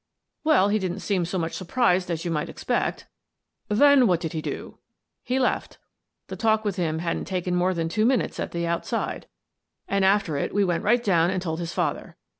" Well, he didn't seem so much surprised as you might expect." "Then what did he do?" " He left The talk with him hadn't taken more than two minutes at the outside, and after it we The Inquest 171 went right down and told his father.